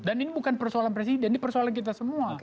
dan ini bukan persoalan presiden ini persoalan kita semua